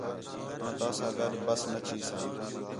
آں تَونسا گڈھ بس نی چیساں